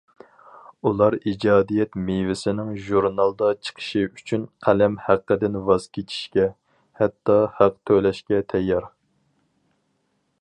ئۇلار ئىجادىيەت مېۋىسىنىڭ ژۇرنالدا چىقىشى ئۈچۈن قەلەم ھەققىدىن ۋاز كېچىشكە، ھەتتا ھەق تۆلەشكە تەييار.